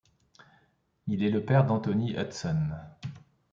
Il est le père d'Anthony Hudson.